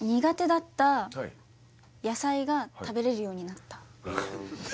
苦手だった野菜が食べれるようになった。